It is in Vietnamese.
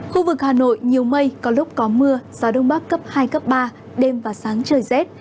khu vực hà nội nhiều mây có lúc có mưa gió đông bắc cấp hai cấp ba đêm và sáng trời rét